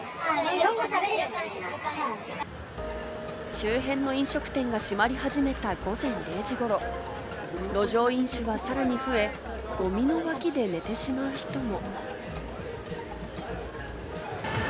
周辺の飲食店が閉まり始めた午前０時ごろ、路上飲酒はさらに増え、ゴミの脇で寝てしまう人も。